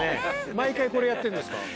毎回これやってるんですか。